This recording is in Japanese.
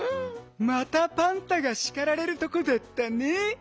またパンタがしかられるとこだったね。